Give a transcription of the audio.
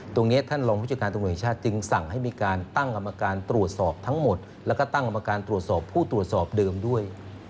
ตรงนี้ท่านรองผู้จัดการตำรวจแห่งชาติจึงสั่งให้มีการตั้งกรรมการตรวจสอบทั้งหมดแล้วก็ตั้งกรรมการตรวจสอบผู้ตรวจสอบเดิมด้วย